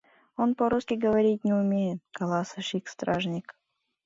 — Он по-русски говорить не умеет, — каласыш ик стражник.